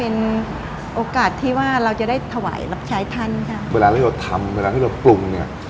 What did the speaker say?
เวลาที่เราทำเวลาที่เราปรุง